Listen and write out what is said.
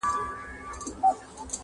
زه یې د قبر سر ته ناست یمه پیالې لټوم,